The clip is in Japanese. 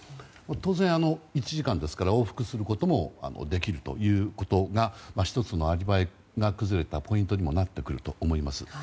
当然、１時間ですから往復することもできるということが１つのアリバイが崩れたポイントになってくると思います。